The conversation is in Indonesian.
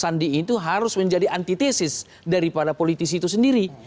sandi itu harus menjadi antitesis daripada politisi itu sendiri